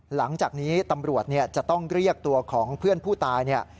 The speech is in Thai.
หลังจากนี้ตำรวจจะต้องเรียกตัวของเพื่อนผู้ตายเนี่ย